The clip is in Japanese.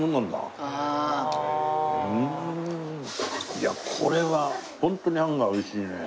いやこれはホントにあんが美味しいね。